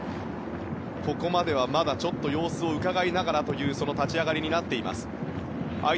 ここまでは、ちょっとまだ様子をうかがいながらという立ち上がりです。